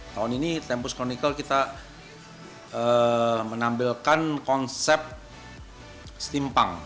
tahun ini tempus chronicle kita menampilkan konsep steampunk